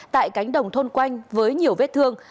tại cánh đồng thôn quanh với nhiều vết thương